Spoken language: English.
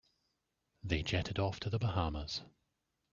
They jetted off to the Bahamas.